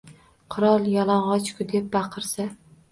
“Qirol yalang‘och-ku! “deb baqirsa